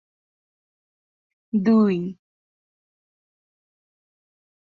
সেখানে নিজস্ব শেষ দুই টেস্টে অংশ নেন।